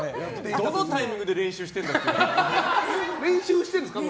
どのタイミングで練習してるんだろう。